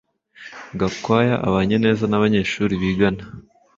Gakwaya Abanye neza nabanyeshuri bigana.